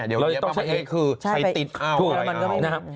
เดี๋ยวเยี่ยมบางประเทศคือใช้ติดเอ้า